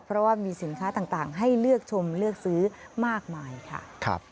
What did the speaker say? เพราะว่ามีสินค้าต่างให้เลือกชมเลือกซื้อมากมายค่ะ